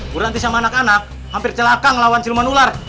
berhenti sama anak anak hampir celaka ngelawan cuman ular